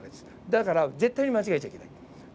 だから絶対に間違えちゃいけない。